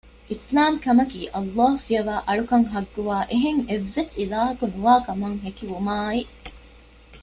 އިސްލާމަކީ، ﷲ ފިޔަވައި އަޅުކަން ޙައްޤުވާ އެހެން އެއްވެސް އިލާހަކު ނުވާ ކަމަށް ހެކިވުމާއި